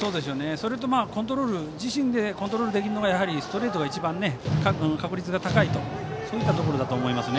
それと自身でコントロールできるのがストレートが一番確率が高いとそういったところだと思います。